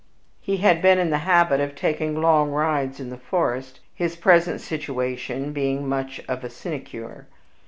He had been in the habit of taking long rides in the forest, his present situation being much of a sinecure.